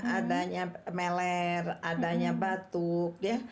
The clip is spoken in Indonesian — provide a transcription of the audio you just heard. adanya meler adanya batuk